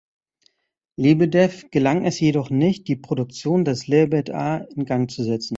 Lebedew gelang es jedoch nicht, die Produktion des "Lebed-A" in Gang zu setzen.